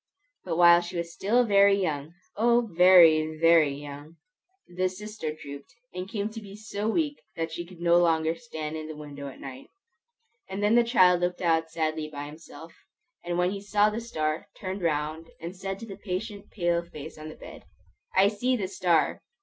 But while she was still very young, O, very, very young, the sister drooped, and came to be so weak that she could no longer stand in the window at night; and then the child looked sadly out by himself, and when he saw the star, turned round and said to the patient pale face on the bed, "I see the star!"